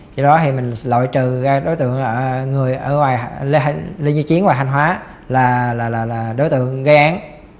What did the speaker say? do đó thì mình lội trừ ra đối tượng lê như chiến ở ngoài khanh hóa là đối tượng gây án